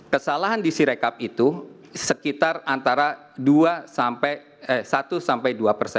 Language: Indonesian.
kesalahan di si rekap itu sekitar antara satu sampai dua